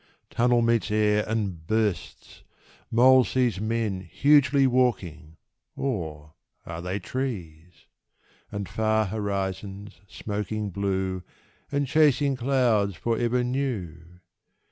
Tunnel meets air and bursts; mole sees Men hugely walking ... or are they trees? And far horizons smoking blue, And chasing clouds for ever new?